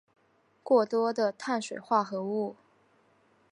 过多的碳水化合物